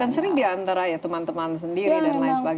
dan sering diantara ya teman teman sendiri dan lain sebagainya